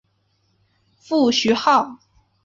父徐灏。